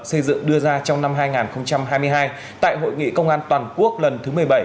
xây dựng đưa ra trong năm hai nghìn hai mươi hai tại hội nghị công an toàn quốc lần thứ một mươi bảy